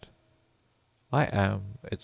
I am, etc.